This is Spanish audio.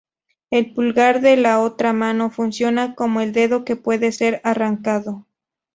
El pulgar de la otra mano funciona como el "dedo que puede ser arrancado".